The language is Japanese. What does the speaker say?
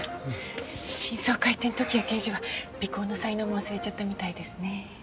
新装開店・時矢刑事は尾行の才能も忘れちゃったみたいですね。